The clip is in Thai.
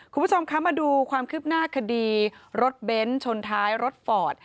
คุณผู้ชมคะมาดูความคืบหน้าคดีรถเบ้นชนท้ายรถฟอร์ด